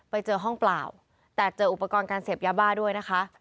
ไปเจอห้องเปล่าแต่เจออุปกรณ์การเสพยาบ้าด้วยนะคะ